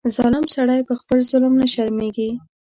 ظالم سړی په خپل ظلم نه شرمېږي.